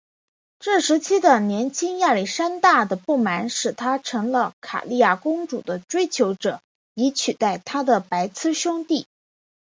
这时期的年轻亚历山大的不满使他成了卡里亚公主的追求者以取代他的白痴兄弟。